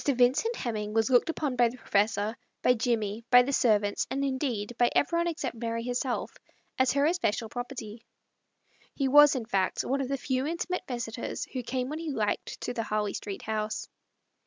Vincekt Hemming was looked upon by the professor, by Jimmie, by the servants, and indeed by everybody except Mary her self, as her especial property. He was, in fact, one of the few intimate visitors who came when he liked to the Harley Street house.